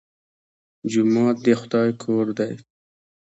جومات د خدای کور دی